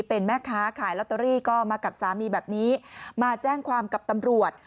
เป็นแม่ค้าขายลอตเตอรี่ก็มากับสามีแบบนี้มาแจ้งความกับตำรวจ